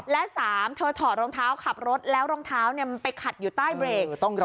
และ๓เธอถอดรองเท้าขับรถแล้วรองเท้ามันไปขัดอยู่ใต้เบรก